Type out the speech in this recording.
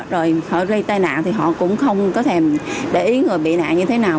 rồi họ gây tai nạn thì họ cũng không có thèm để ý người bị nạn như thế nào